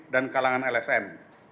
dan kalangan lsm